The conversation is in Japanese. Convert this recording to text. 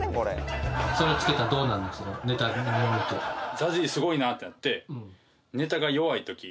ＺＡＺＹすごいなってなって。